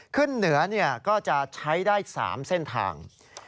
ขึ้นเหนือก็จะใช้ได้๓เส้นทาง